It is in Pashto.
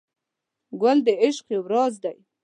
ګل د عشق یو راز دی.